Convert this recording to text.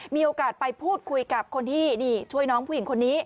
มีโอกาสไปพูดคุยกับคนที่ช่วยน้องผู้หญิงคนนี้